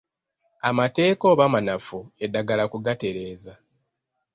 Amateeka oba manafu eddagala kugatereeza.